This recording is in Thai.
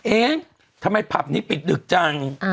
เอ๊ะทำไมผับนี้ปิดดึกจัง